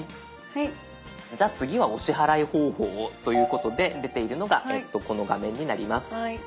じゃあ次はお支払い方法をということで出ているのがこの画面になります。